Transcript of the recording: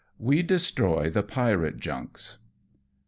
WE DESTROY THE PIRATE JUNKS.